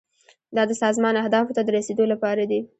دا د سازمان اهدافو ته د رسیدو لپاره دي.